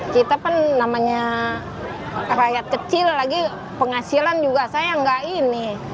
kita kan namanya rakyat kecil lagi penghasilan juga saya nggak ini